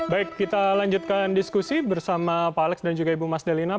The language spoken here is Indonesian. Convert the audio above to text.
baik kita lanjutkan diskusi bersama pak alex dan juga ibu mas dalina